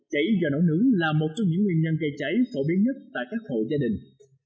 cháy do nổ nứng là một trong những nguyên nhân gây cháy phổ biến nhất tại các hộ gia đình